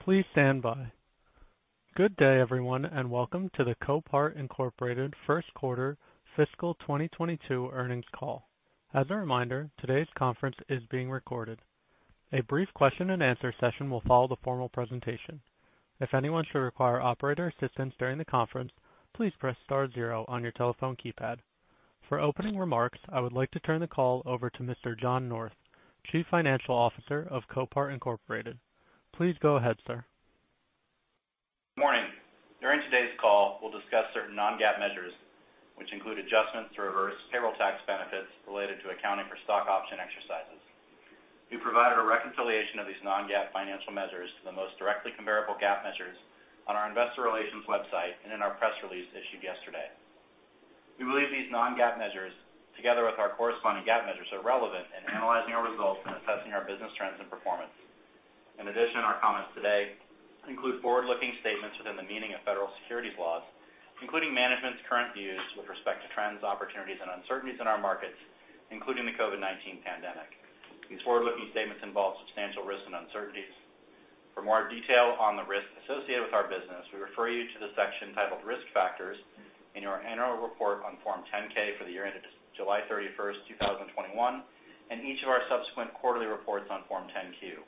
Please stand by. Good day, everyone, and welcome to the Copart, Inc. Q1 Fiscal 2022 Earnings Call. As a reminder, today's conference is being recorded. A brief question and answer session will follow the formal presentation. If anyone should require operator assistance during the conference, please press star zero on your telephone keypad. For opening remarks, I would like to turn the call over to Mr. John North, Chief Financial Officer of Copart, Inc. Please go ahead, sir. Morning. During today's call, we'll discuss certain non-GAAP measures, which include adjustments to reverse payroll tax benefits related to accounting for stock option exercises. We provided a reconciliation of these non-GAAP financial measures to the most directly comparable GAAP measures on our investor relations website and in our press release issued yesterday. We believe these non-GAAP measures, together with our corresponding GAAP measures, are relevant in analyzing our results and assessing our business trends and performance. In addition, our comments today include forward-looking statements within the meaning of federal securities laws, including management's current views with respect to trends, opportunities, and uncertainties in our markets, including the COVID-19 pandemic. These forward-looking statements involve substantial risks and uncertainties. For more detail on the risks associated with our business, we refer you to the section titled Risk Factors in our annual report on Form 10-K for the year ended July 31st, 2021, and each of our subsequent quarterly reports on Form 10-Q.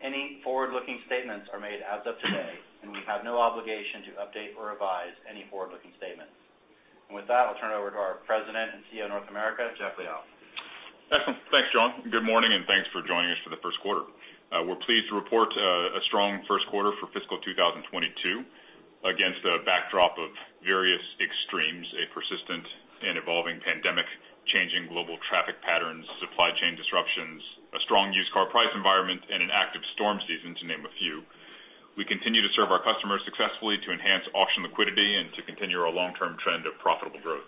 Any forward-looking statements are made as of today, and we have no obligation to update or revise any forward-looking statements. With that, I'll turn it over to our President and CEO, North America, Jeff Liaw. Excellent. Thanks, John. Good morning, and thanks for joining us for the Q1. We're pleased to report a strong Q1 for fiscal 2022 against a backdrop of various extremes, a persistent and evolving pandemic, changing global traffic patterns, supply chain disruptions, a strong used car price environment, and an active storm season, to name a few. We continue to serve our customers successfully to enhance auction liquidity and to continue our long-term trend of profitable growth.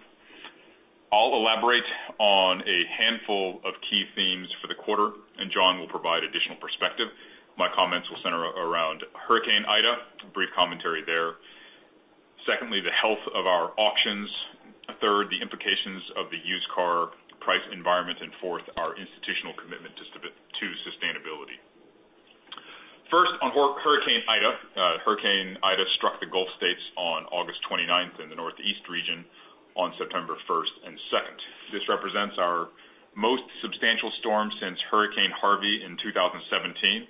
I'll elaborate on a handful of key themes for the quarter, and John will provide additional perspective. My comments will center around Hurricane Ida, a brief commentary there. Secondly, the health of our auctions. Third, the implications of the used car price environment. Fourth, our institutional commitment to sustainability. First, on Hurricane Ida. Hurricane Ida struck the Gulf States on August 29th in the Northeast region on September 1st and 2nd. This represents our most substantial storm since Hurricane Harvey in 2017,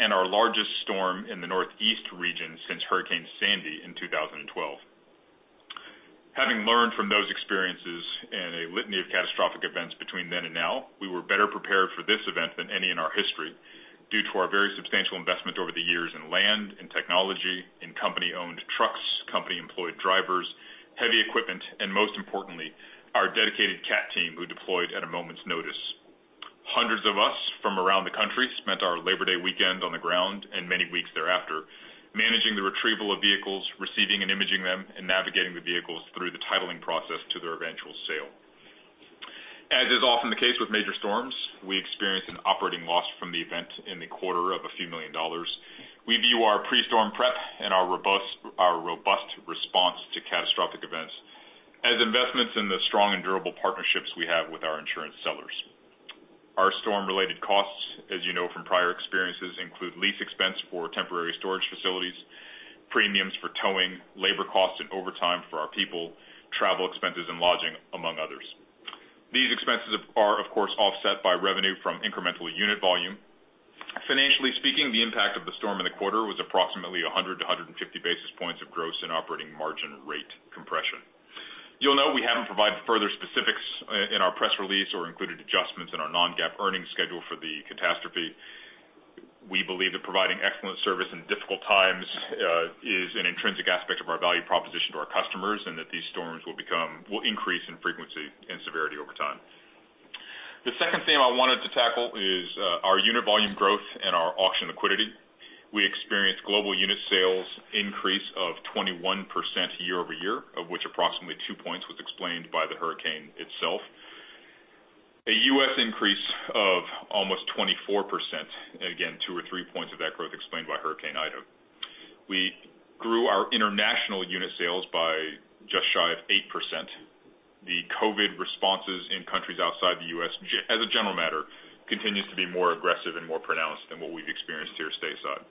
and our largest storm in the Northeast region since Hurricane Sandy in 2012. Having learned from those experiences in a litany of catastrophic events between then and now, we were better prepared for this event than any in our history due to our very substantial investment over the years in land, in technology, in company-owned trucks, company-employed drivers, heavy equipment, and most importantly, our dedicated CAT team, who deployed at a moment's notice. Hundreds of us from around the country spent our Labor Day weekend on the ground and many weeks thereafter managing the retrieval of vehicles, receiving and imaging them, and navigating the vehicles through the titling process to their eventual sale. As is often the case with major storms, we experienced an operating loss from the event in the quarter of a few million dollars. We view our pre-storm prep and our robust response to catastrophic events as investments in the strong and durable partnerships we have with our insurance sellers. Our storm-related costs, as you know from prior experiences, include lease expense for temporary storage facilities, premiums for towing, labor costs and overtime for our people, travel expenses and lodging, among others. These expenses are, of course, offset by revenue from incremental unit volume. Financially speaking, the impact of the storm in the quarter was approximately 100-150 basis points of gross and operating margin rate compression. You'll note we haven't provided further specifics in our press release or included adjustments in our non-GAAP earnings schedule for the catastrophe. We believe that providing excellent service in difficult times is an intrinsic aspect of our value proposition to our customers, and that these storms will increase in frequency and severity over time. The second theme I wanted to tackle is our unit volume growth and our auction liquidity. We experienced global unit sales increase of 21% year-over-year, of which approximately two points was explained by the hurricane itself. A U.S. increase of almost 24%, again, two or three points of that growth explained by Hurricane Ida. We grew our international unit sales by just shy of 8%. The COVID responses in countries outside the U.S., as a general matter, continues to be more aggressive and more pronounced than what we've experienced here stateside.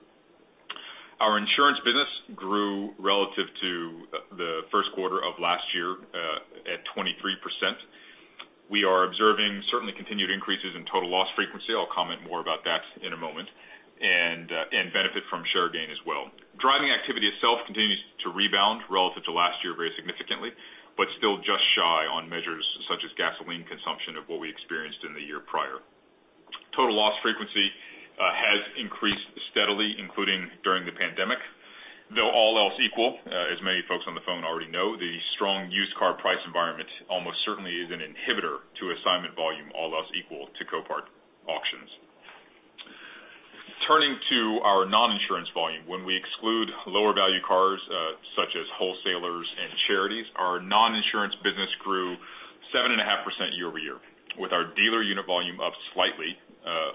Our insurance business grew relative to the Q1 of last year at 23%. We are observing certainly continued increases in total loss frequency and benefit from share gain as well. Driving activity itself continues to rebound relative to last year very significantly, but still just shy on measures such as gasoline consumption of what we experienced in the year prior. Total loss frequency has increased steadily, including during the pandemic, though all else equal, as many folks on the phone already know, the strong used car price environment almost certainly is an inhibitor to assignment volume, all else equal, to Copart auctions. Turning to our non-insurance volume. When we exclude lower value cars, such as wholesalers and charities, our non-insurance business grew 7.5% year-over-year, with our dealer unit volume up slightly,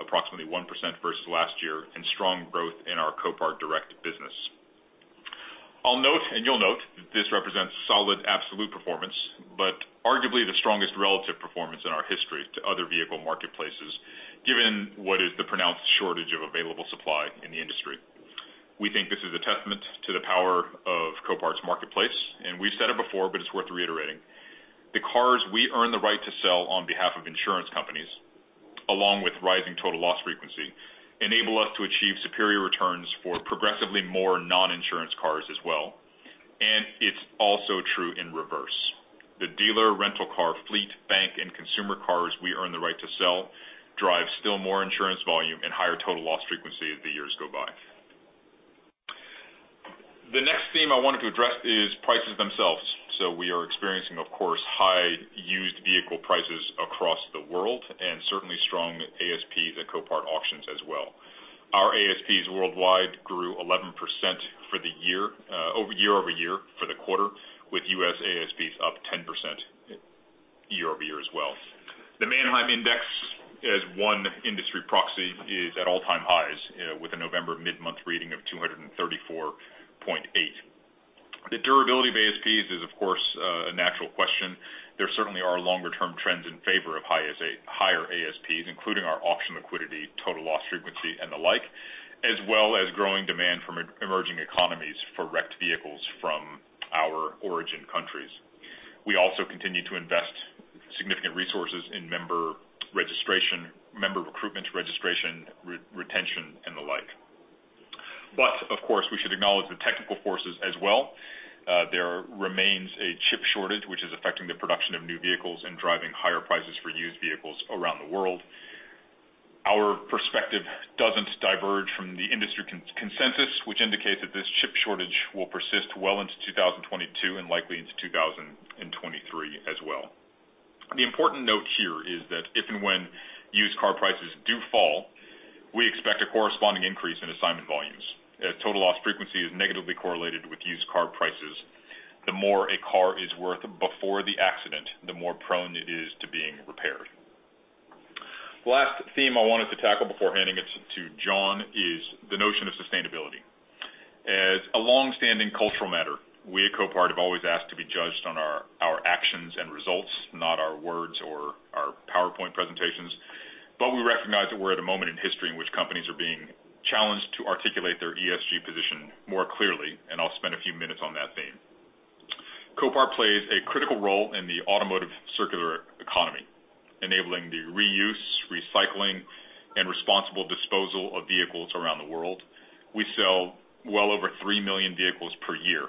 approximately 1% versus last year, and strong growth in our Copart Direct business. I'll note, and you'll note, this represents solid absolute performance, but arguably the strongest relative performance in our history to other vehicle marketplaces, given what is the pronounced shortage of available supply in the industry. We think this is a testament to the power of Copart's marketplace, and we've said it before, but it's worth reiterating. The cars we earn the right to sell on behalf of insurance companies, along with rising total loss frequency, enable us to achieve superior returns for progressively more non-insurance cars as well. It's also true in reverse. The dealer rental car fleet, bank, and consumer cars we earn the right to sell drive still more insurance volume and higher total loss frequency as the years go by. The next theme I wanted to address is prices themselves. We are experiencing, of course, high used vehicle prices across the world, and certainly strong ASPs at Copart auctions as well. Our ASPs worldwide grew 11% for the year-over-year for the quarter, with U.S. ASPs up 10% year-over-year as well. The Manheim Index, as one industry proxy, is at all-time highs, with a November mid-month reading of 234.8. The durability of ASPs is, of course, a natural question. There certainly are longer-term trends in favor of higher ASPs, including our auction liquidity, total loss frequency, and the like, as well as growing demand from emerging economies for wrecked vehicles from our origin countries. We also continue to invest significant resources in member registration, member recruitment, registration, retention, and the like. Of course, we should acknowledge the technical forces as well. There remains a chip shortage which is affecting the production of new vehicles and driving higher prices for used vehicles around the world. Our perspective doesn't diverge from the industry consensus, which indicates that this chip shortage will persist well into 2022 and likely into 2023 as well. The important note here is that if and when used car prices do fall, we expect a corresponding increase in assignment volumes. Total loss frequency is negatively correlated with used car prices. The more a car is worth before the accident, the more prone it is to being repaired. Last theme I wanted to tackle before handing it to John is the notion of sustainability. As a long-standing cultural matter, we at Copart have always asked to be judged on our actions and results, not our words or our PowerPoint presentations. We recognize that we're at a moment in history in which companies are being challenged to articulate their ESG position more clearly, and I'll spend a few minutes on that theme. Copart plays a critical role in the automotive circular economy, enabling the reuse, recycling, and responsible disposal of vehicles around the world. We sell well over three million vehicles per year,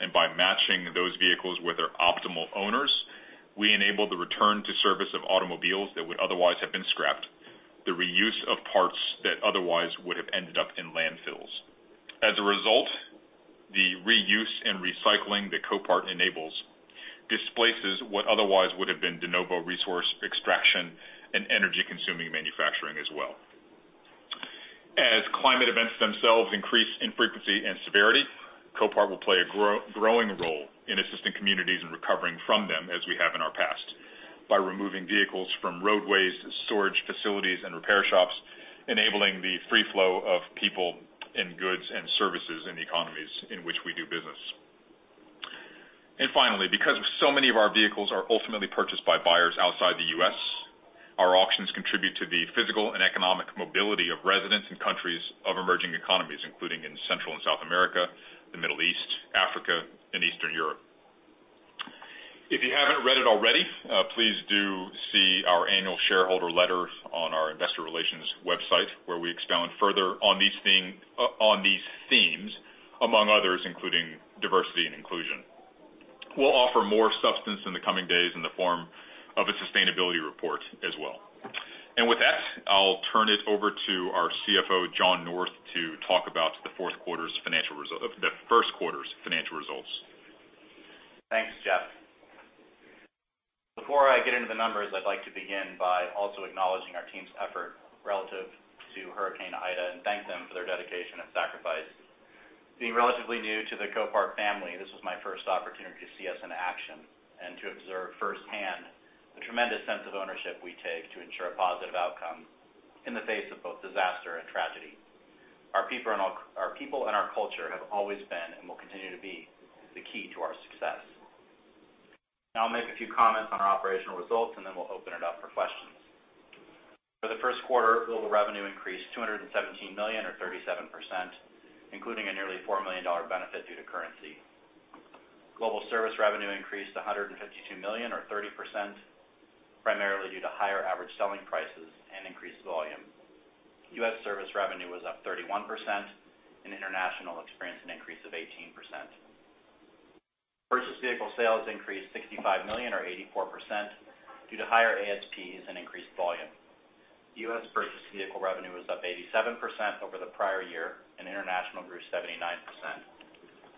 and by matching those vehicles with their optimal owners, we enable the return to service of automobiles that would otherwise have been scrapped, the reuse of parts that otherwise would have ended up in landfills. As a result, the reuse and recycling that Copart enables displaces what otherwise would have been de novo resource extraction and energy-consuming manufacturing as well. As climate events themselves increase in frequency and severity, Copart will play a growing role in assisting communities in recovering from them as we have in our past, by removing vehicles from roadways, storage facilities, and repair shops, enabling the free flow of people and goods and services in the economies in which we do business. Finally, because so many of our vehicles are ultimately purchased by buyers outside the U.S., our auctions contribute to the physical and economic mobility of residents in countries of emerging economies, including in Central and South America, the Middle East, Africa, and Eastern Europe. If you haven't read it already, please do see our annual shareholder letter on our investor relations website, where we expound further on these themes, among others, including diversity and inclusion. We'll offer more substance in the coming days in the form of a sustainability report as well. With that, I'll turn it over to our CFO, John North, to talk about the Q1's financial results. Thanks, Jeff. Before I get into the numbers, I'd like to begin by also acknowledging our team's effort relative to Hurricane Ida and thank them for their dedication and sacrifice. Being relatively new to the Copart family, this was my first opportunity to see us in action and to observe firsthand the tremendous sense of ownership we take to ensure a positive outcome in the face of both disaster and tragedy. Our people and our culture have always been, and will continue to be, the key to our success. Now I'll make a few comments on our operational results, and then we'll open it up for questions. For the Q1, global revenue increased $217 million or 37%, including a nearly $4 million benefit due to currency. Global service revenue increased $152 million or 30%, primarily due to higher average selling prices and increased volume. U.S. service revenue was up 31%, and international experienced an increase of 18%. Purchased vehicle sales increased $65 million or 84% due to higher ASPs and increased volume. U.S. purchased vehicle revenue was up 87% over the prior year, and international grew 79%.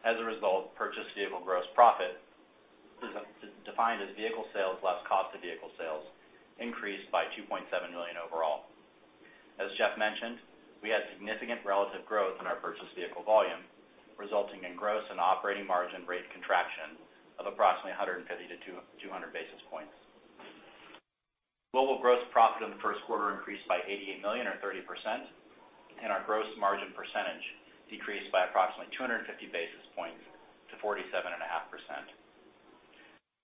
As a result, purchased vehicle gross profit, defined as vehicle sales less cost of vehicle sales, increased by $2.7 million overall. As Jeff mentioned, we had significant relative growth in our purchased vehicle volume, resulting in gross and operating margin rate contraction of approximately 150-200 basis points. Global gross profit in the first quarter increased by $88 million or 30%, and our gross margin percentage decreased by approximately 250 basis points to 47.5%.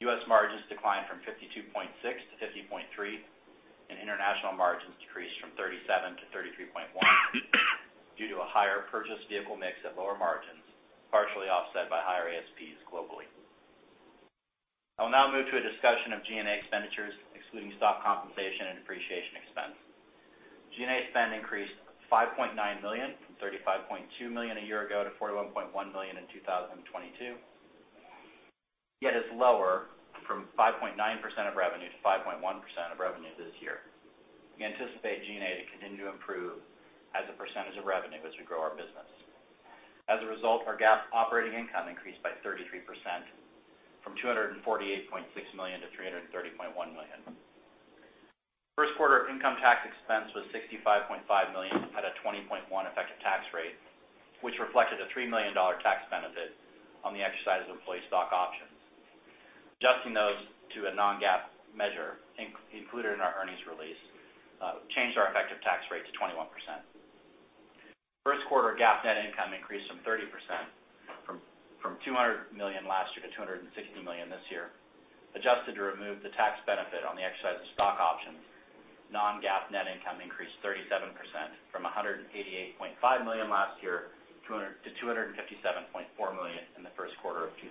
U.S margins declined from 52.6% to 50.3%, and international margins decreased from 37% to 33.1% due to a higher purchase vehicle mix at lower margins, partially offset by higher ASPs globally. I'll now move to a discussion of G&A expenditures excluding stock compensation and depreciation expense. G&A spend increased $5.9 million from $35.2 million a year ago to $41.1 million in 2022. Yet it's lower from 5.9% of revenue to 5.1% of revenue this year. We anticipate G&A to continue to improve as a percentage of revenue as we grow our business. As a result, our GAAP operating income increased by 33% from $248.6 million to $330.1 million. Q1 income tax expense was $65.5 million at a 20.1% effective tax rate, which reflected a $3 million tax benefit on the exercise of employee stock options. Adjusting those to a non-GAAP measure included in our earnings release changed our effective tax rate to 21%. Q1 GAAP net income increased by 30% from $200 million last year to $260 million this year. Adjusted to remove the tax benefit on the exercise of stock options, non-GAAP net income increased 37% from $188.5 million last year to $257.4 million in the Q1 of 2022.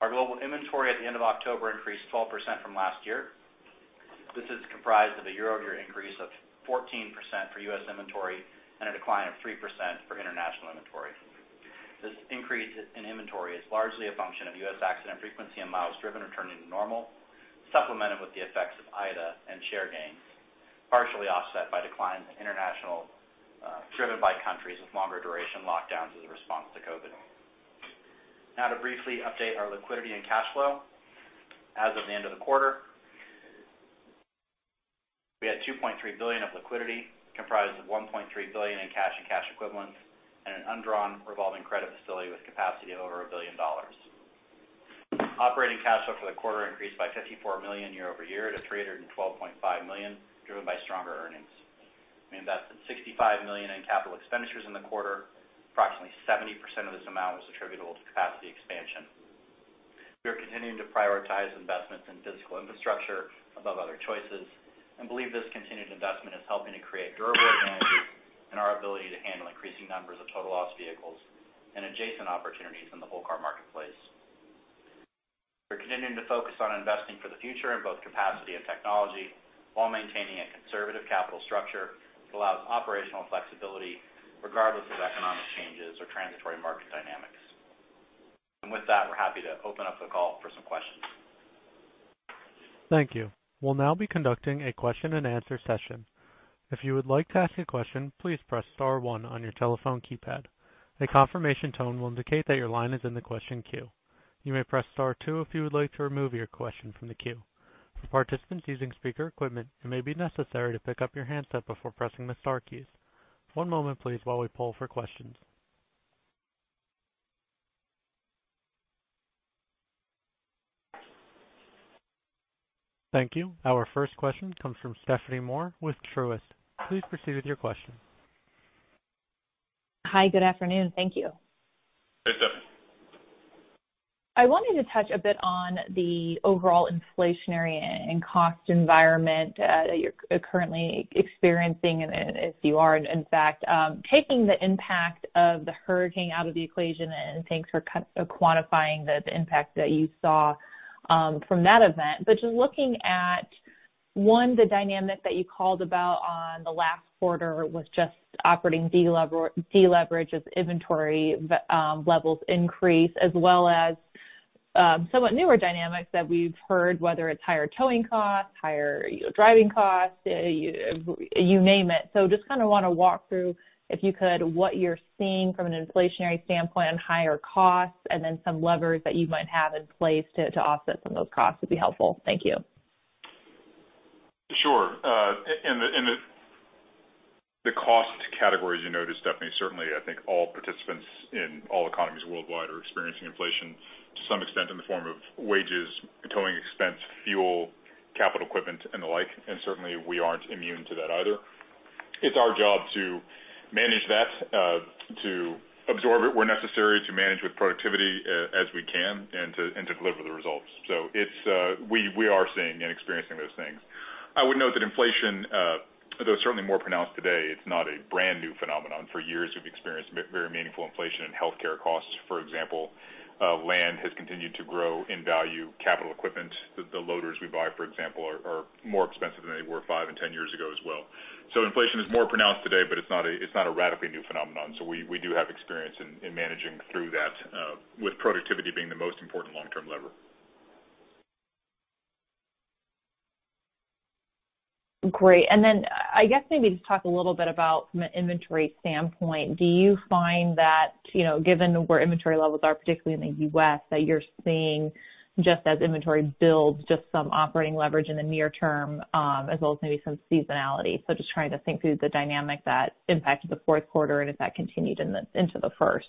Our global inventory at the end of October increased 12% from last year. This is comprised of a year-over-year increase of 14% for U.S. inventory, and a decline of 3% for international inventory. This increase in inventory is largely a function of U.S. accident frequency and miles driven returning to normal, supplemented with the effects of Ida and share gains, partially offset by declines in international driven by countries with longer duration lockdowns as a response to COVID. Now to briefly update our liquidity and cash flow. As of the end of the quarter, we had $2.3 billion of liquidity, comprised of $1.3 billion in cash and cash equivalents, and an undrawn revolving credit facility with capacity of over $1 billion. Operating cash flow for the quarter increased by $54 million year-over-year to $312.5 million, driven by stronger earnings. We invested $65 million in capital expenditures in the quarter. Approximately 70% of this amount was attributable to capacity expansion. We are continuing to prioritize investments in physical infrastructure above other choices and believe this continued investment is helping to create durable advantages in our ability to handle increasing numbers of total loss vehicles and adjacent opportunities in the wholesale car marketplace. We're continuing to focus on investing for the future in both capacity and technology while maintaining a conservative capital structure that allows operational flexibility regardless of economic changes or transitory market dynamics. With that, we're happy to open up the call for some questions. Thank you. We'll now be conducting a question and answer session. If you would like to ask a question, please press star one on your telephone keypad. A confirmation tone will indicate that your line is in the question queue. You may press star two if you would like to remove your question from the queue. For participants using speaker equipment, it may be necessary to pick up your handset before pressing the star keys. One moment, please, while we poll for questions. Thank you. Our first question comes from Stephanie Moore with Truist. Please proceed with your question. Hi, good afternoon. Thank you. Hey, Stephanie. I wanted to touch a bit on the overall inflationary and cost environment that you're currently experiencing, if you are in fact taking the impact of the hurricane out of the equation, and thanks for quantifying the impact that you saw from that event. Just looking at one, the dynamic that you called out in the last quarter was just operating deleverage as inventory levels increase, as well as somewhat newer dynamics that we've heard, whether it's higher towing costs, higher driving costs, you name it. Just kind of want to walk through, if you could, what you're seeing from an inflationary standpoint on higher costs, and then some levers that you might have in place to offset some of those costs would be helpful. Thank you. Sure. In the cost categories you noted, Stephanie, certainly I think all participants in all economies worldwide are experiencing inflation to some extent in the form of wages, towing expense, fuel, capital equipment, and the like. Certainly we aren't immune to that either. It's our job to manage that, to absorb it where necessary, to manage with productivity, as we can, and to deliver the results. It's we are seeing and experiencing those things. I would note that inflation, though it's certainly more pronounced today, it's not a brand new phenomenon. For years, we've experienced very meaningful inflation in healthcare costs. For example, land has continued to grow in value. Capital equipment, the loaders we buy, for example, are more expensive than they were five and 10 years ago as well. Inflation is more pronounced today, but it's not a radically new phenomenon. We do have experience in managing through that, with productivity being the most important long-term lever. Great. I guess maybe just talk a little bit about from an inventory standpoint, do you find that, you know, given where inventory levels are, particularly in the U.S., that you're seeing just as inventory builds, just some operating leverage in the near term, as well as maybe some seasonality? Just trying to think through the dynamic that impacted the Q4 and if that continued in this into the first.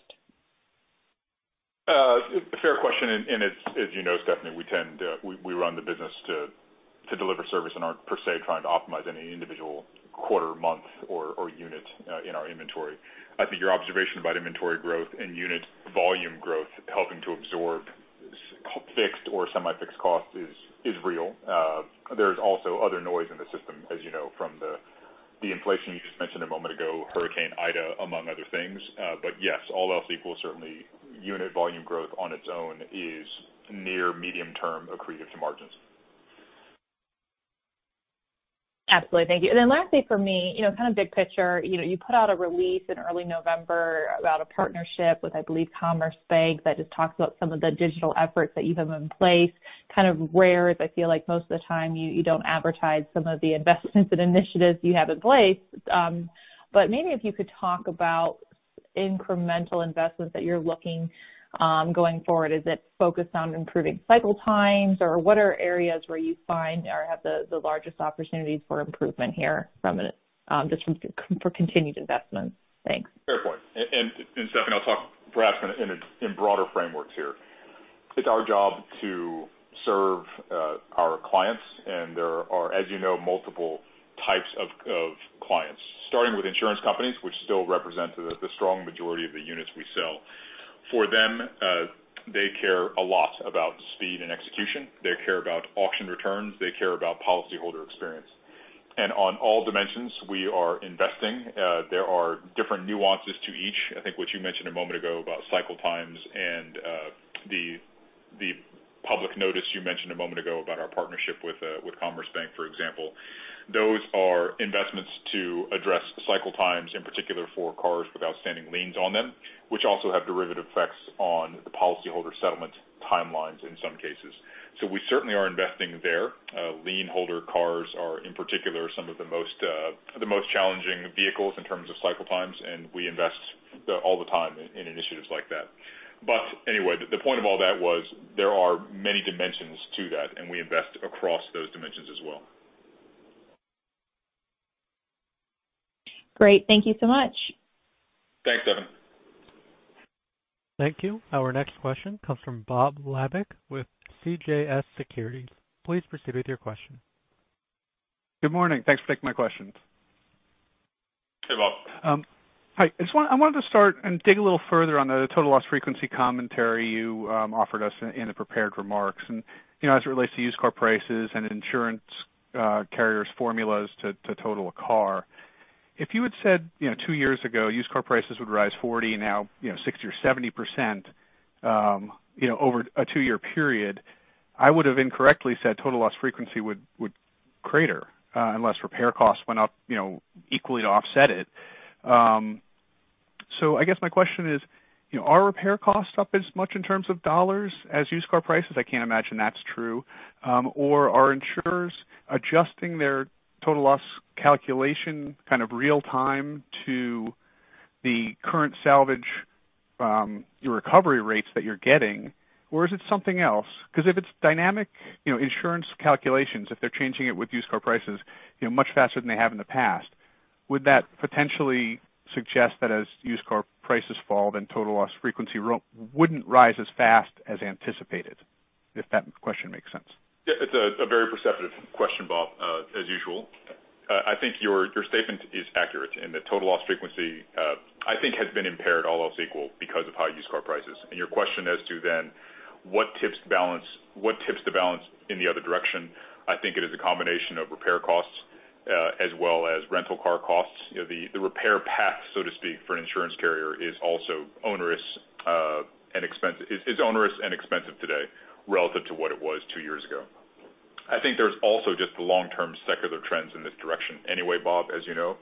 A fair question, and as you know, Stephanie, we tend to run the business to deliver service and aren't per se trying to optimize any individual quarter, month or unit in our inventory. I think your observation about inventory growth and unit volume growth helping to absorb fixed or semi-fixed costs is real. There's also other noise in the system, as you know from the inflation you just mentioned a moment ago, Hurricane Ida, among other things. Yes, all else equal, certainly unit volume growth on its own is near medium term accretive to margins. Absolutely. Thank you. Lastly for me, you know, kind of big picture, you know, you put out a release in early November about a partnership with, I believe, Title Express that just talks about some of the digital efforts that you have in place. Kind of rare as I feel like most of the time you don't advertise some of the investments and initiatives you have in place. But maybe if you could talk about incremental investments that you're looking, going forward. Is it focused on improving cycle times, or what are areas where you find or have the largest opportunities for improvement here from an just from for continued investments? Thanks. Fair point. Stephanie, I'll talk perhaps in broader frameworks here. It's our job to serve our clients, and there are, as you know, multiple types of clients, starting with insurance companies, which still represent the strong majority of the units we sell. For them, they care a lot about speed and execution. They care about auction returns. They care about policyholder experience. On all dimensions, we are investing there are different nuances to each. I think what you mentioned a moment ago about cycle times and the public notice you mentioned a moment ago about our partnership with Title Express, for example. Those are investments to address cycle times, in particular for cars with outstanding liens on them, which also have derivative effects on the policyholder settlement timelines in some cases. We certainly are investing there. Lienholder cars are, in particular, some of the most challenging vehicles in terms of cycle times, and we invest all the time in initiatives like that. Anyway, the point of all that was there are many dimensions to that, and we invest across those dimensions as well. Great. Thank you so much. Thanks, Stephanie. Thank you. Our next question comes from Bob Labick with CJS Securities. Please proceed with your question. Good morning. Thanks for taking my questions. Hey, Bob. Hi. I wanted to start and dig a little further on the total loss frequency commentary you offered us in the prepared remarks and, you know, as it relates to used car prices and insurance carriers' formulas to total a car. If you had said, you know, two years ago, used car prices would rise 40%, now 60% or 70%, you know, over a two-year period, I would have incorrectly said total loss frequency would crater, unless repair costs went up, you know, equally to offset it. I guess my question is, you know, are repair costs up as much in terms of dollars as used car prices? I can't imagine that's true. Or are insurers adjusting their total loss calculation kind of real time to the current salvage recovery rates that you're getting, or is it something else? 'Cause if it's dynamic, you know, insurance calculations, if they're changing it with used car prices, you know, much faster than they have in the past, would that potentially suggest that as used car prices fall, total loss frequency wouldn't rise as fast as anticipated? If that question makes sense. Yeah, it's a very perceptive question, Bob, as usual. I think your statement is accurate in that total loss frequency I think has been impaired all else equal because of high used car prices. Your question as to then what tips the balance in the other direction, I think it is a combination of repair costs as well as rental car costs. You know, the repair path, so to speak, for an insurance carrier is also onerous and expensive today relative to what it was two years ago. I think there's also just the long-term secular trends in this direction anyway, Bob, as you know,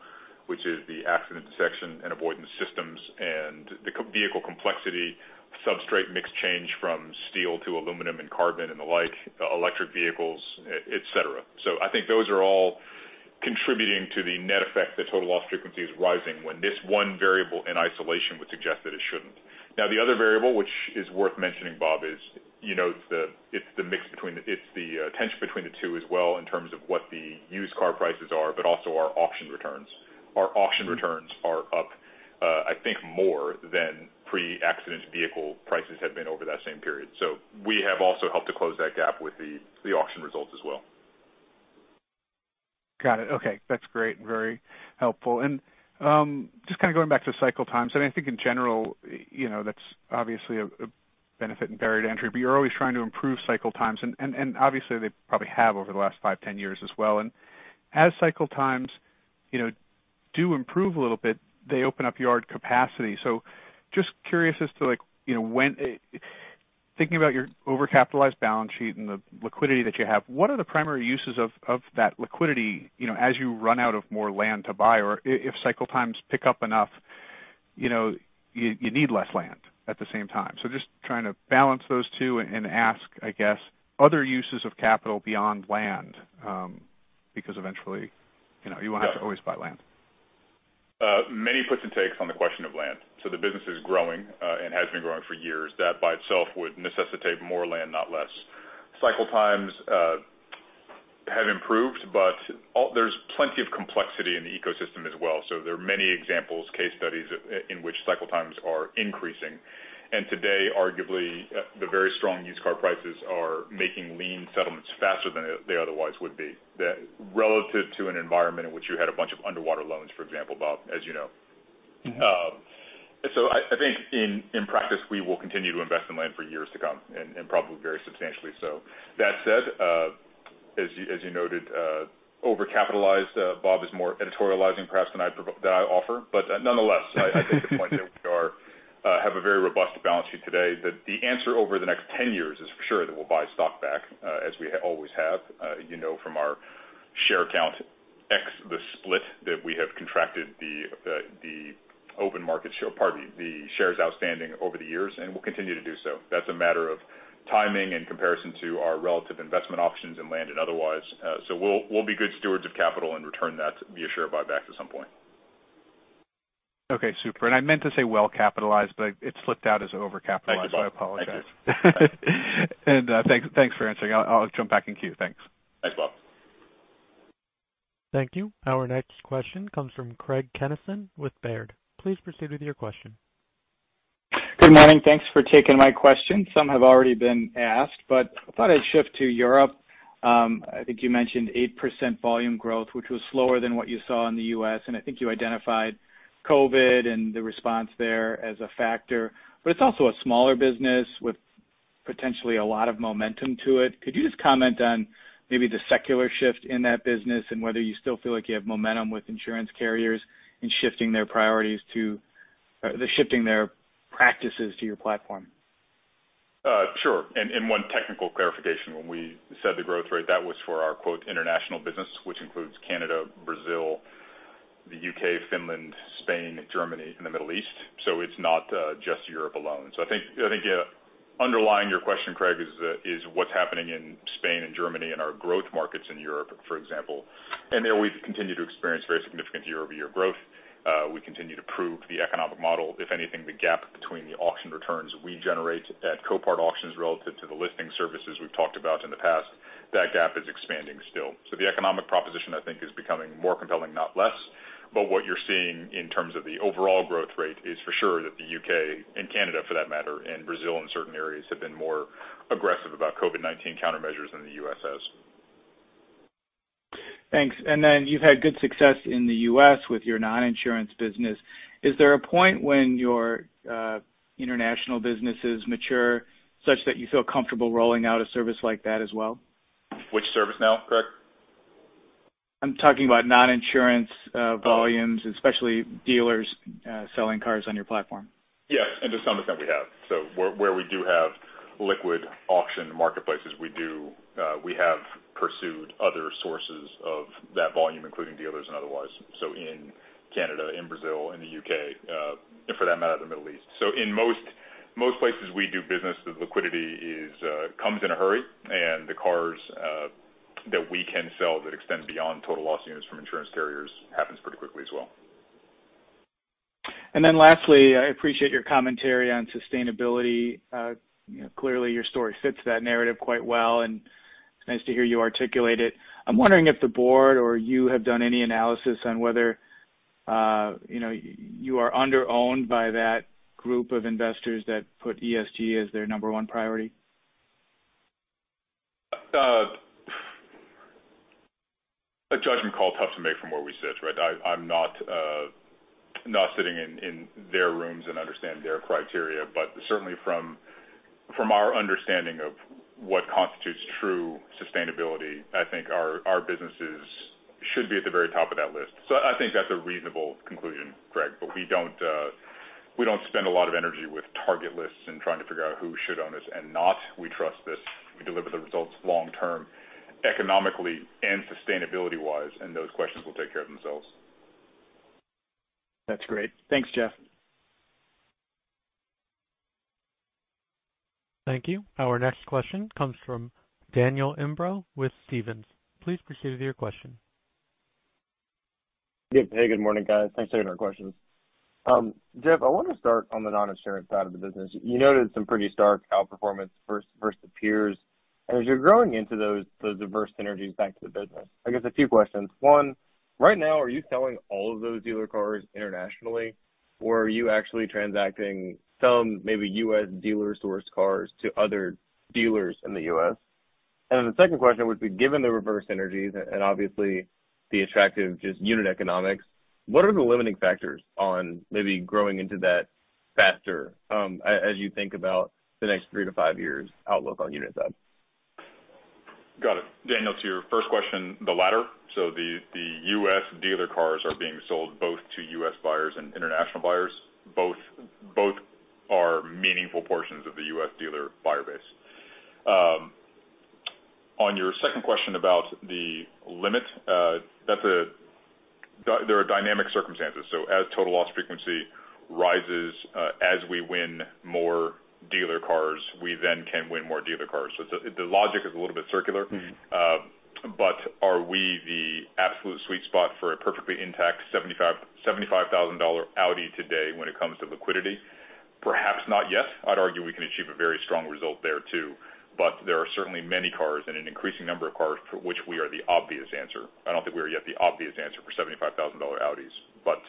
which is the accident detection and avoidance systems and the vehicle complexity, substrate mix change from steel to aluminum and carbon and the like, electric vehicles, et cetera. I think those are all contributing to the net effect that total loss frequency is rising when this one variable in isolation would suggest that it shouldn't. Now, the other variable which is worth mentioning, Bob, is, you know, it's the tension between the two as well in terms of what the used car prices are, but also our auction returns. Our auction returns are up, I think more than pre-accident vehicle prices have been over that same period. We have also helped to close that gap with the auction results as well. Got it. Okay. That's great and very helpful. Just kind of going back to cycle times, and I think in general, you know, that's obviously a benefit and barrier to entry, but you're always trying to improve cycle times and obviously they probably have over the last five, 10 years as well. As cycle times, you know, do improve a little bit, they open up yard capacity. Just curious as to, like, you know, when thinking about your over-capitalized balance sheet and the liquidity that you have, what are the primary uses of that liquidity, you know, as you run out of more land to buy, or if cycle times pick up enough, you know, you need less land at the same time. Just trying to balance those two and ask, I guess, other uses of capital beyond land, because eventually, you know, you won't have to always buy land. Many puts and takes on the question of land. The business is growing, and has been growing for years. That by itself would necessitate more land, not less. Cycle times have improved, but there's plenty of complexity in the ecosystem as well. There are many examples, case studies in which cycle times are increasing. Today, arguably, the very strong used car prices are making lien settlements faster than they otherwise would be relative to an environment in which you had a bunch of underwater loans, for example, Bob, as you know. Mm-hmm. I think in practice we will continue to invest in land for years to come and probably very substantially so. That said, as you noted, overcapitalized, Bob, is more editorializing perhaps than that I offer. Nonetheless, I think the point that we have a very robust balance sheet today. The answer over the next 10 years is for sure that we'll buy stock back as we always have. You know from our share count, ex the split, that we have contracted the open market share, pardon me, the shares outstanding over the years, and we'll continue to do so. That's a matter of timing in comparison to our relative investment options in land and otherwise. We'll be good stewards of capital and return that via share buybacks at some point. Okay, super. I meant to say well-capitalized, but it slipped out as overcapitalized. Thank you, Bob. I apologize. Thank you. Thanks for answering. I'll jump back in queue. Thanks. Thanks, Bob. Thank you. Our next question comes from Craig Kennison with Baird. Please proceed with your question. Good morning. Thanks for taking my question. Some have already been asked, but I thought I'd shift to Europe. I think you mentioned 8% volume growth, which was slower than what you saw in the U.S., and I think you identified COVID and the response there as a factor. It's also a smaller business with potentially a lot of momentum to it. Could you just comment on maybe the secular shift in that business and whether you still feel like you have momentum with insurance carriers in shifting their practices to your platform? Sure. One technical clarification. When we said the growth rate, that was for our, quote, "international business," which includes Canada, Brazil, the U.K., Finland, Spain, Germany, and the Middle East. It's not just Europe alone. I think yeah, underlying your question, Craig, is what's happening in Spain and Germany and our growth markets in Europe, for example. There we've continued to experience very significant year-over-year growth. We continue to prove the economic model. If anything, the gap between the auction returns we generate at Copart Auctions relative to the listing services we've talked about in the past, that gap is expanding still. The economic proposition, I think, is becoming more compelling, not less. What you're seeing in terms of the overall growth rate is for sure that the U.K., and Canada for that matter, and Brazil in certain areas have been more aggressive about COVID-19 countermeasures than the U.S. has. Thanks. You've had good success in the U.S. with your non-insurance business. Is there a point when your international businesses mature such that you feel comfortable rolling out a service like that as well? Which service now, Craig? I'm talking about non-insurance volumes, especially dealers selling cars on your platform. Yes. To some extent we have. Where we do have liquid auction marketplaces, we do, we have pursued other sources of that volume, including dealers and otherwise, in Canada, in Brazil, in the U.K., and for that matter, the Middle East. In most places we do business, the liquidity comes in a hurry, and the cars that we can sell that extend beyond total loss units from insurance carriers happens pretty quickly as well. Then lastly, I appreciate your commentary on sustainability. You know, clearly your story fits that narrative quite well, and it's nice to hear you articulate it. I'm wondering if the board or you have done any analysis on whether, you know, you are underowned by that group of investors that put ESG as their number one priority. A judgment call tough to make from where we sit, right? I'm not sitting in their rooms and understand their criteria, but certainly from our understanding of what constitutes true sustainability, I think our businesses should be at the very top of that list. I think that's a reasonable conclusion, Craig, but we don't spend a lot of energy with target lists and trying to figure out who should own us and not. We trust that we deliver the results long term, economically and sustainability-wise, and those questions will take care of themselves. That's great. Thanks, Jeff. Thank you. Our next question comes from Daniel Imbro with Stephens. Please proceed with your question. Yeah. Hey, good morning, guys. Thanks for taking our questions. Jeff, I want to start on the non-insurance side of the business. You noted some pretty stark outperformance versus peers. As you're growing into those diverse synergies back to the business, I guess a few questions. One, right now, are you selling all of those dealer cars internationally or are you actually transacting some maybe U.S. dealer-sourced cars to other dealers in the U.S.? The second question would be, given the reverse synergies and obviously the attractive just unit economics, what are the limiting factors on maybe growing into that faster, as you think about the next three to five years outlook on unit side? Got it. Daniel, to your first question, the latter. The U.S. dealer cars are being sold both to U.S. buyers and international buyers. Both are meaningful portions of the U.S. dealer buyer base. On your second question about the limit, that's. There are dynamic circumstances. As total loss frequency rises, as we win more dealer cars, we then can win more dealer cars. The logic is a little bit circular. Mm-hmm. Are we the absolute sweet spot for a perfectly intact $75,000 Audi today when it comes to liquidity? Perhaps not yet. I'd argue we can achieve a very strong result there too, but there are certainly many cars and an increasing number of cars for which we are the obvious answer. I don't think we are yet the obvious answer for $75,000 Audis, but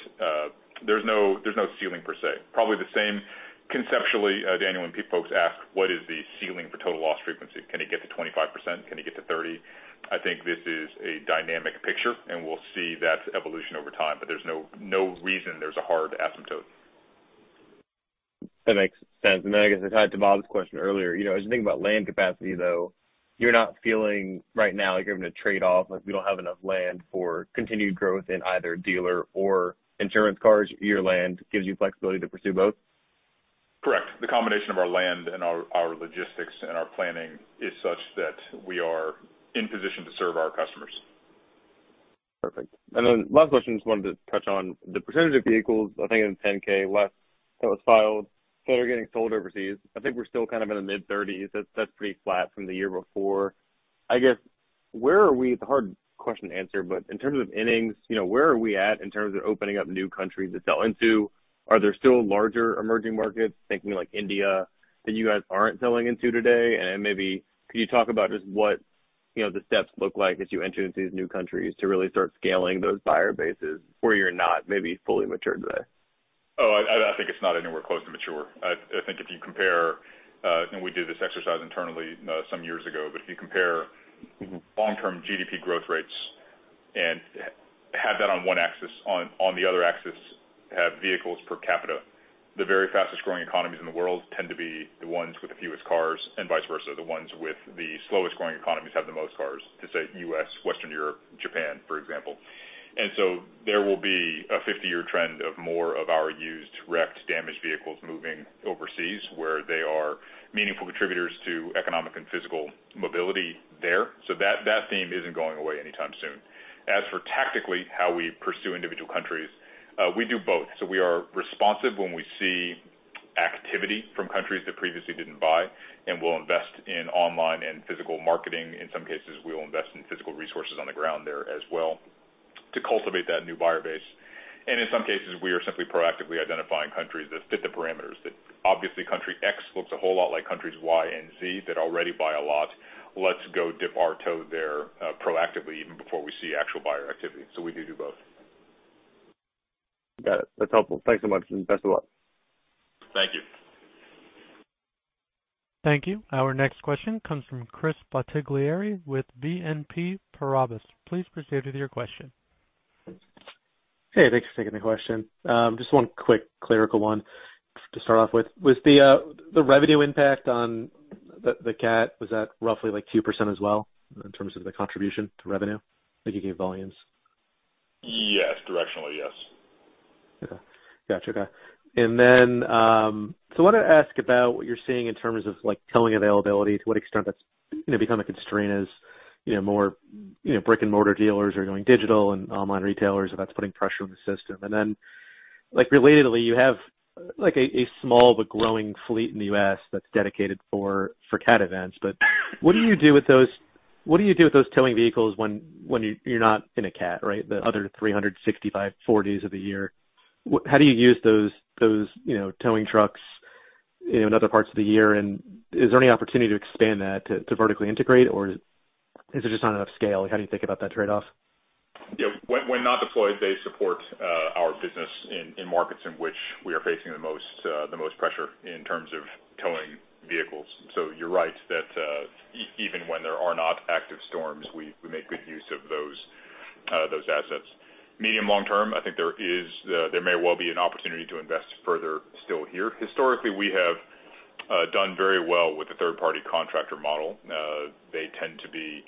there's no ceiling per se. Probably the same conceptually, Daniel, when folks ask, what is the ceiling for total loss frequency? Can it get to 25%? Can it get to 30%? I think this is a dynamic picture, and we'll see that evolution over time. There's no reason there's a hard asymptote. That makes sense. I guess, tied to Bob Labick's question earlier, you know, as you think about land capacity, though, you're not feeling right now like you're having a trade-off, like we don't have enough land for continued growth in either dealer or insurance cars. Your land gives you flexibility to pursue both? Correct. The combination of our land and our logistics and our planning is such that we are in position to serve our customers. Perfect. Last question, just wanted to touch on the percentage of vehicles, I think in 10-K last that was filed, that are getting sold overseas. I think we're still kind of in the mid-30s%. That's pretty flat from the year before. I guess where are we. It's a hard question to answer, but in terms of innings, you know, where are we at in terms of opening up new countries to sell into? Are there still larger emerging markets, thinking like India, that you guys aren't selling into today? Maybe could you talk about just what, you know, the steps look like as you enter into these new countries to really start scaling those buyer bases where you're not maybe fully mature today? Oh, I think it's not anywhere close to mature. I think if you compare, and we did this exercise internally some years ago, but if you compare long-term GDP growth rates and have that on one axis, on the other axis have vehicles per capita, the very fastest-growing economies in the world tend to be the ones with the fewest cars, and vice versa. The ones with the slowest-growing economies have the most cars, to say, U.S., Western Europe, Japan, for example. There will be a 50-year trend of more of our used wrecked, damaged vehicles moving overseas, where they are meaningful contributors to economic and physical mobility there. That theme isn't going away anytime soon. As for tactically how we pursue individual countries, we do both. We are responsive when we see activity from countries that previously didn't buy, and we'll invest in online and physical marketing. In some cases, we will invest in physical resources on the ground there as well to cultivate that new buyer base. In some cases, we are simply proactively identifying countries that fit the parameters that obviously country X looks a whole lot like countries Y and Z that already buy a lot. Let's go dip our toe there, proactively, even before we see actual buyer activity. We do both. Got it. That's helpful. Thanks so much, and best of luck. Thank you. Thank you. Our next question comes from Chris Bottiglieri with BNP Paribas. Please proceed with your question. Hey, thanks for taking the question. Just one quick clerical one to start off with. With the revenue impact on the cat, was that roughly like 2% as well in terms of the contribution to revenue? I think you gave volumes. Yes. Directionally, yes. Okay. Gotcha. Okay. I wanted to ask about what you're seeing in terms of, like, towing availability, to what extent that's, you know, become a constraint as, you know, more, you know, brick-and-mortar dealers are going digital and online retailers. That's putting pressure on the system. Like, relatedly, you have, like, a small but growing fleet in the U.S. that's dedicated for cat events. But what do you do with those towing vehicles when you're not in a cat, right? The other 365-4 days of the year. How do you use those towing trucks, you know, in other parts of the year and is there any opportunity to expand that to vertically integrate, or is it just not enough scale? How do you think about that trade-off? Yeah. When not deployed, they support our business in markets in which we are facing the most pressure in terms of towing vehicles. So you're right that even when there are not active storms, we make good use of those assets. Medium, long-term, I think there is an opportunity to invest further still here. Historically, we have done very well with the third-party contractor model. They tend to be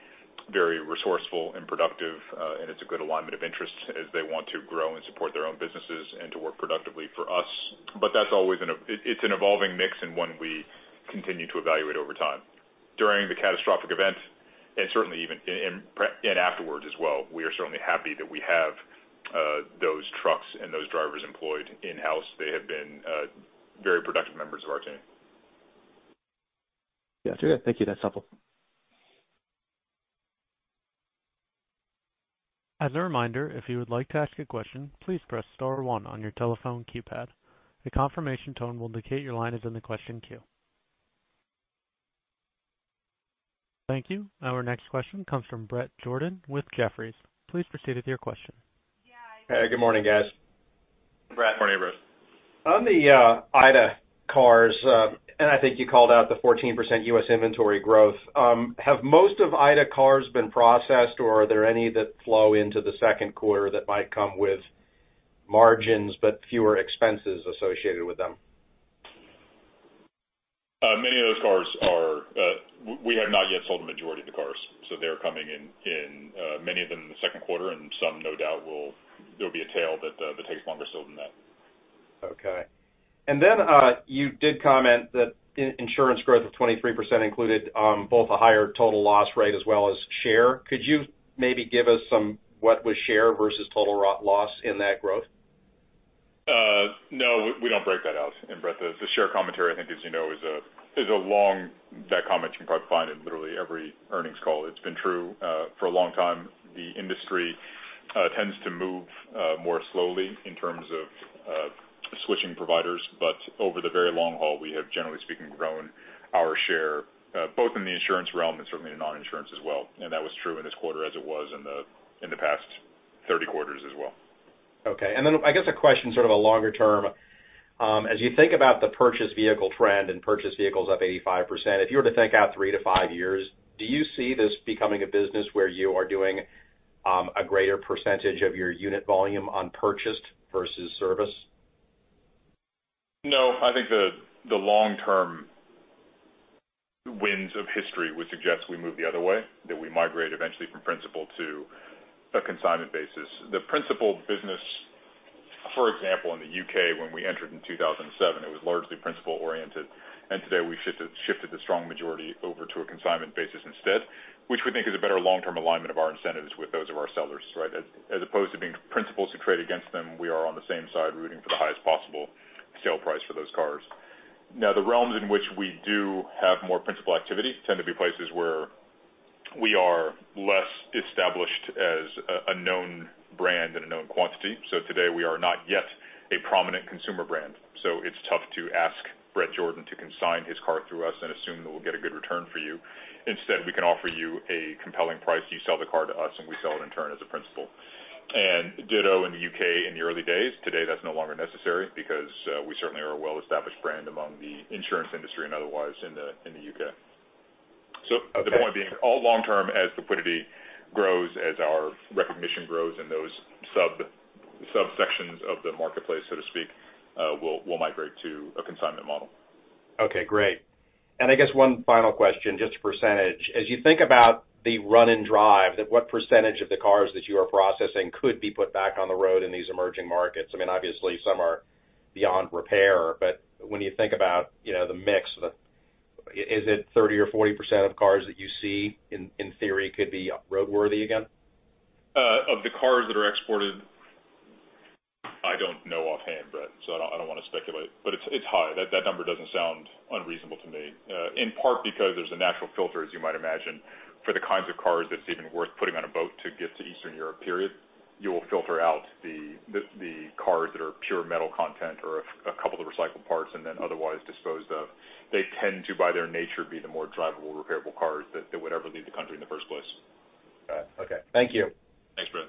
very resourceful and productive, and it's a good alignment of interest as they want to grow and support their own businesses and to work productively for us but that's always an evolving mix and one we continue to evaluate over time. During the catastrophic event and certainly even in afterwards as well, we are certainly happy that we have those trucks and those drivers employed in-house. They have been very productive members of our team. Gotcha. Yeah, thank you. That's helpful. As a reminder, if you would like to ask a question, please press star one on your telephone keypad. A confirmation tone will indicate your line is in the question queue. Thank you. Our next question comes from Bret Jordan with Jefferies. Please proceed with your question. Hey, good morning, guys. Good morning, Bret. On the Ida cars, and I think you called out the 14% U.S. inventory growth. Have most of Ida cars been processed, or are there any that flow into the Q2 that might come with margins but fewer expenses associated with them? Many of those cars, we have not yet sold the majority of the cars, so they are coming in, many of them in the Q2, and some no doubt will. There'll be a tail that takes longer still than that. Okay, you did comment that insurance growth of 23% included both a higher total loss rate as well as share. Could you maybe give us some what was share versus total loss in that growth? No, we don't break that out. Bret, the share commentary, I think as you know, is a long. That comment you can probably find in literally every earnings call. It's been true for a long time. The industry tends to move more slowly in terms of switching providers. Over the very long haul, we have generally speaking grown our share both in the insurance realm and certainly in non-insurance as well. That was true in this quarter, as it was in the past 30 quarters as well. Okay. Then I guess a question sort of a longer term. As you think about the purchase vehicle trend and purchase vehicles up 85%, if you were to think out three to five years, do you see this becoming a business where you are doing a greater percentage of your unit volume on purchased versus service? No, I think the long-term winds of history would suggest we move the other way, that we migrate eventually from principal to a consignment basis. The principal business, for example, in the U.K., when we entered in 2007, it was largely principal-oriented, and today we shifted the strong majority over to a consignment basis instead, which we think is a better long-term alignment of our incentives with those of our sellers, right? As opposed to being principals who trade against them, we are on the same side rooting for the highest possible sale price for those cars. Now, the realms in which we do have more principal activity tend to be places where we are less established as a known brand and a known quantity. Today we are not yet a prominent consumer brand, so it's tough to ask Bret Jordan to consign his car through us and assume that we'll get a good return for you. Instead, we can offer you a compelling price. You sell the car to us, and we sell it in turn as a principal. Ditto in the U.K. in the early days. Today, that's no longer necessary because we certainly are a well-established brand among the insurance industry and otherwise in the U.K. Okay. The point being all long term as liquidity grows, as our recognition grows in those subsections of the marketplace, so to speak, we'll migrate to a consignment model. Okay, great. I guess one final question, just percentage. As you think about the run and drive, what percentage of the cars that you are processing could be put back on the road in these emerging markets? I mean, obviously some are beyond repair, but when you think about, you know, the mix, is it 30% or 40% of cars that you see in theory could be roadworthy again? Of the cars that are exported, I don't know offhand, Bret, so I don't wanna speculate, but it's high. That number doesn't sound unreasonable to me, in part because there's a natural filter, as you might imagine, for the kinds of cars that's even worth putting on a boat to get to Eastern Europe, period. You will filter out the cars that are pure metal content or a couple of recycled parts and then otherwise disposed of. They tend to, by their nature, be the more drivable, repairable cars that would ever leave the country in the first place. Got it. Okay. Thank you. Thanks, Bret.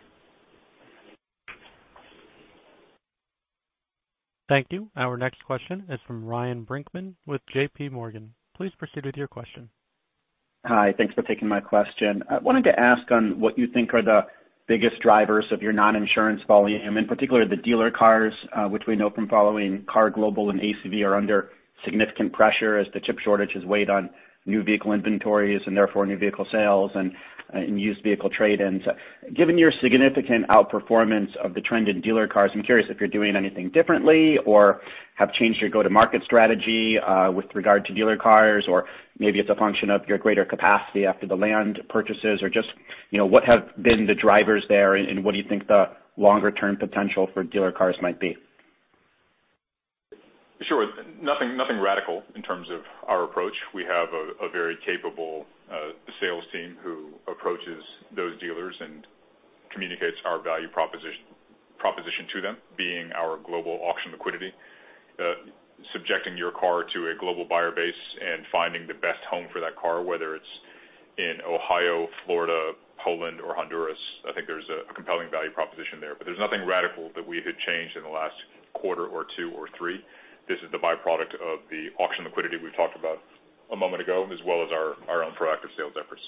Thank you. Our next question is from Ryan Brinkman with JPMorgan. Please proceed with your question. Hi. Thanks for taking my question. I wanted to ask on what you think are the biggest drivers of your non-insurance volume, in particular the dealer cars, which we know from following KAR Global and ACV are under significant pressure as the chip shortages weighed on new vehicle inventories and therefore new vehicle sales and used vehicle trade-ins. Given your significant outperformance of the trend in dealer cars, I'm curious if you're doing anything differently or have changed your go-to-market strategy, with regard to dealer cars or maybe it's a function of your greater capacity after the land purchases or just, you know, what have been the drivers there and what do you think the longer term potential for dealer cars might be? Sure. Nothing radical in terms of our approach. We have a very capable sales team who approaches those dealers and communicates our value proposition to them, being our global auction liquidity, subjecting your car to a global buyer base and finding the best home for that car, whether it's in Ohio, Florida, Poland or Honduras. I think there's a compelling value proposition there, but there's nothing radical that we had changed in the last quarter or two or three. This is the byproduct of the auction liquidity we talked about a moment ago, as well as our own proactive sales efforts.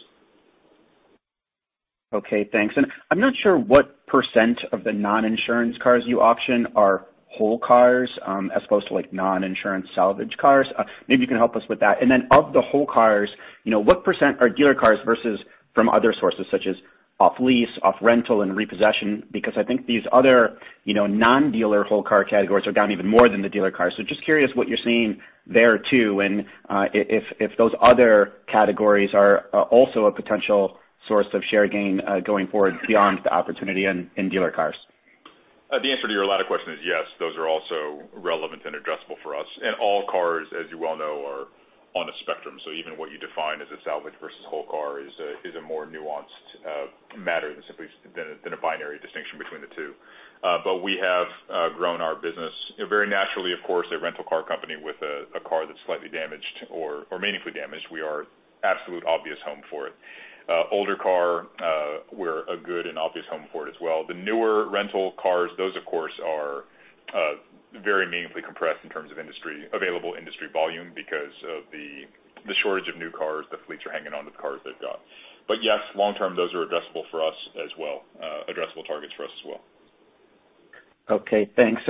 Okay, thanks. I'm not sure what % of the non-insurance cars you auction are whole cars, as opposed to, like, non-insurance salvage cars. Maybe you can help us with that. Of the whole cars, you know, what % are dealer cars versus from other sources such as off lease, off rental and repossession? Because I think these other, you know, non-dealer whole car categories are down even more than the dealer cars. Just curious what you're seeing there too, and if those other categories are also a potential source of share gain, going forward beyond the opportunity in dealer cars. The answer to your latter question is yes, those are also relevant and addressable for us. All cars, as you well know, are on a spectrum. Even what you define as a salvage versus whole car is a more nuanced matter than simply a binary distinction between the two. We have grown our business very naturally, of course, a rental car company with a car that's slightly damaged or meaningfully damaged. We are absolute obvious home for it. Older car, we're a good and obvious home for it as well. The newer rental cars, those of course are very meaningfully compressed in terms of available industry volume because of the shortage of new cars. The fleets are hanging on to the cars they've got. Yes, long term, those are addressable targets for us as well. Okay, thanks.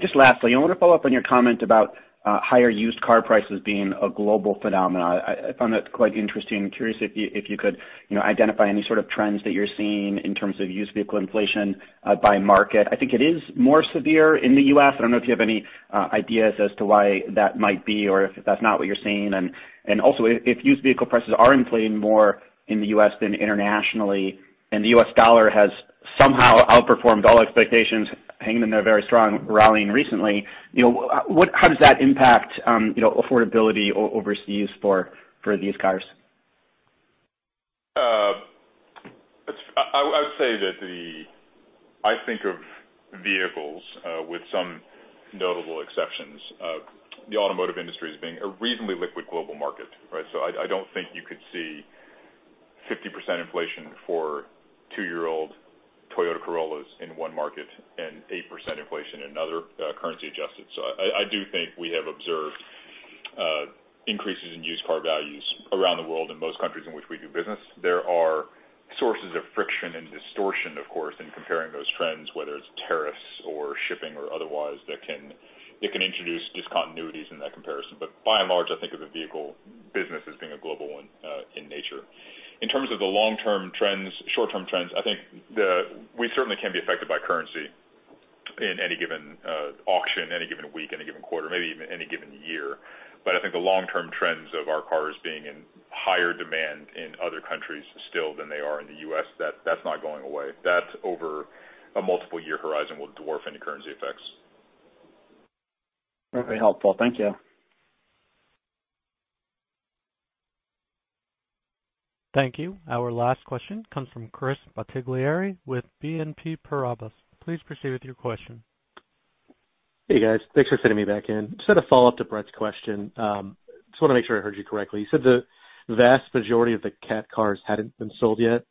Just lastly, I wanna follow up on your comment about higher used car prices being a global phenomenon. I found that quite interesting. I'm curious if you could identify any sort of trends that you're seeing in terms of used vehicle inflation by market. I think it is more severe in the U.S. I don't know if you have any ideas as to why that might be or if that's not what you're seeing. Also if used vehicle prices are inflating more in the U.S. than internationally, and the U.S. dollar has somehow outperformed all expectations, hanging in there very strong, rallying recently, you know, how does that impact affordability overseas for these cars? I think of vehicles, with some notable exceptions of the automotive industry as being a reasonably liquid global market, right? I don't think you could see 50% inflation for two-year-old Toyota Corollas in one market and 8% inflation in another, currency adjusted. I do think we have observed increases in used car values around the world in most countries in which we do business. There are sources of friction and distortion, of course, in comparing those trends, whether it's tariffs or shipping or otherwise, that can introduce discontinuities in that comparison. By and large, I think of the vehicle business as being a global one in nature. In terms of the long-term trends, short-term trends, I think we certainly can be affected by currency in any given auction, any given week, any given quarter, maybe even any given year. But I think the long-term trends of our cars being in higher demand in other countries still than they are in the U.S., that's not going away. That over a multiple year horizon will dwarf any currency effects. Very helpful. Thank you. Thank you. Our last question comes from Chris Bottiglieri with BNP Paribas. Please proceed with your question. Hey, guys. Thanks for fitting me back in. Just had a follow-up to Bret's question. Just wanna make sure I heard you correctly. You said the vast majority of the cat cars hadn't been sold yet.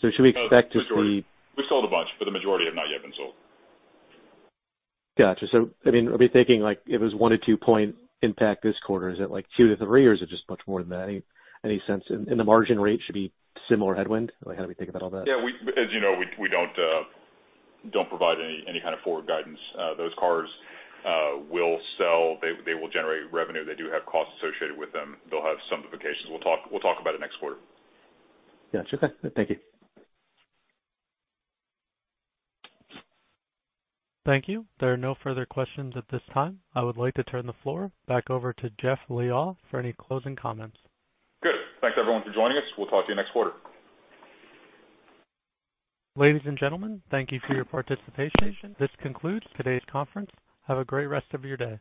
Should we expect to see? No, the majority. We've sold a bunch, but the majority have not yet been sold. Gotcha. I mean, are we thinking like if it was one or two point impact this quarter, is it like two or three or is it just much more than that? Any sense? And the margin rate should be similar headwind? Like, how do we think about all that? Yeah, as you know, we don't provide any kind of forward guidance. Those cars will sell. They will generate revenue. They do have costs associated with them. They'll have some variations. We'll talk about it next quarter. Gotcha. Okay. Thank you. Thank you. There are no further questions at this time. I would like to turn the floor back over to Jeff Liaw for any closing comments. Good. Thanks everyone for joining us. We'll talk to you next quarter. Ladies and gentlemen, thank you for your participation. This concludes today's conference. Have a great rest of your day.